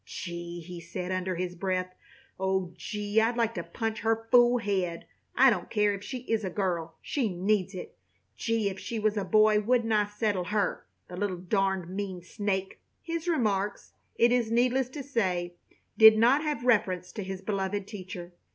"Gee!" he said, under his breath. "Oh, gee! I'd like to punch her fool head. I don't care if she is a girl! She needs it. Gee! if she was a boy wouldn't I settle her, the little darned mean sneak!" His remarks, it is needless to say, did not have reference to his beloved teacher.